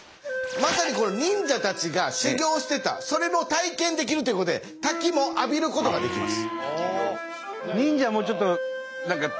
まさに忍者たちが修行してたそれの体験できるということで滝も浴びることができます。